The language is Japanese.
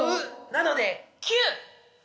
なので９！